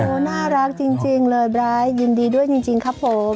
โอ้โหน่ารักจริงเลยไบร์ทยินดีด้วยจริงครับผม